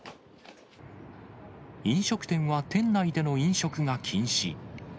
飲食店は店内での飲食が禁止。